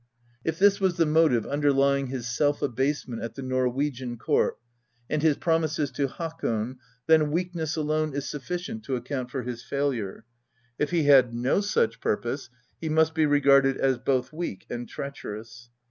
If this was the motive underlying his self abasement at the Norwegian court and his promises to Hakon, then weak ness alone is sufficient to account for his failure; if he had no such purpose, he must be regarded as both weak and treacherous.